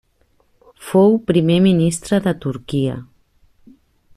Fou Primer Ministre de Turquia.